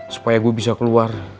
supaya gue bisa keluar